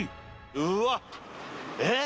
うわっえっ！？